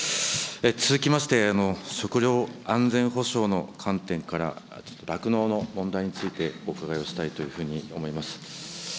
続きまして、食料安全保障の観点から、酪農の問題についてお伺いをしたいというふうに思います。